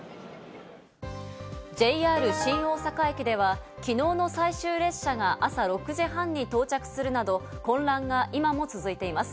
ＪＲ新大阪駅では、きのうの最終列車が朝６時半に到着するなど、混乱が今も続いています。